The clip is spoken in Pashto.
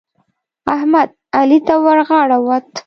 احمد؛ علي ته ورغاړه وت.